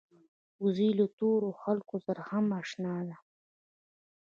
وزې له تورو خلکو سره هم اشنا ده